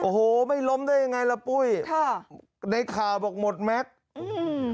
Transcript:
โอ้โหไม่ล้มได้ยังไงล่ะปุ้ยค่ะในข่าวบอกหมดแม็กซ์อืม